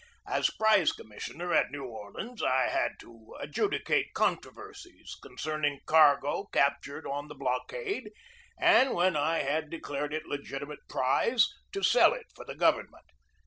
As prize commissioner at New Orleans I had to adjudicate controversies concerning cargo captured on the blockade, and, when I had declared it legiti mate prize, to sell it for the government.